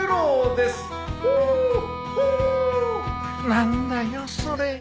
何だよそれ